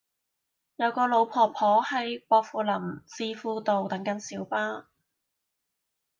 有個老婆婆喺薄扶林置富道等緊小巴